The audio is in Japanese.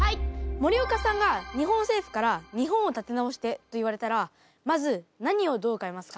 森岡さんが日本政府から「日本を立て直して」と言われたらまず何をどう変えますか？